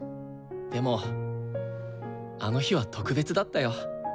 でもあの日は特別だったよ。